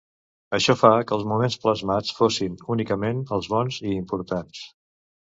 Això fa que els moments plasmats fossin únicament els bons i importants.